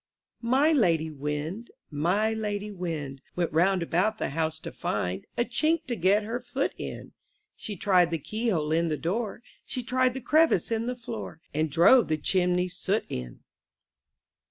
A/TY lady Wind, my lady Wind, J ^ l Went round about the house to find A chink to get her foot in; She tried the keyhole in the door, She tried the crevice in the floor, And drove the chimney soot in.